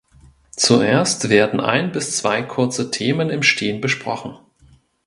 Zuerst werden ein bis zwei kurze Themen im Stehen besprochen.